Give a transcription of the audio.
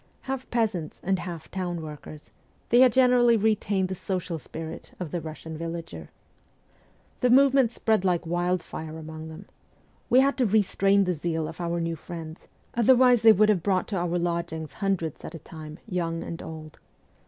Half peasants and half town workers, they had generally retained the social spirit of the Eussian villager. The movement spread like wildfire among them. We had to restrain the zeal of our new friends ; otherwise they would have brought to our lodgings hundreds at a time, young and old.